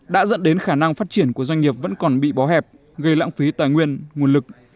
đã dẫn đến khả năng phát triển của doanh nghiệp vẫn còn bị bó hẹp gây lãng phí tài nguyên nguồn lực